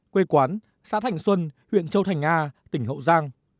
quê quán xã thành xuân huyện châu thành a tỉnh hậu giang